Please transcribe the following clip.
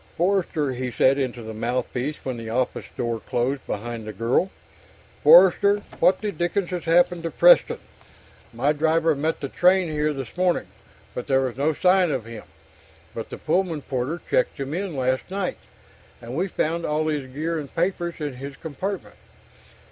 "Forster," he said into the mouthpiece when the office door closed behind the girl. "Forster! What the dickens has happened to Preston? My driver met the train here this morning, but there was no sign of him. But the Pullman porter checked him in last night, and we found all his gear and papers in his compartment!"